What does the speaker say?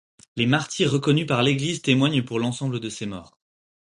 Les martyrs reconnus par l'Église témoignent pour l'ensemble de ces morts.